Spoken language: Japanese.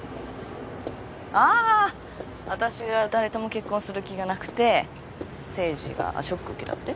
ああ私が誰とも結婚する気がなくて誠治がショック受けたって？